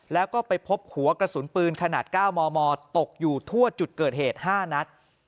แล้วก็ไปพบหัวกระสุนปืนขนาด๙มมตกอยู่ทั่วจุดเกิดเหตุ๕นัด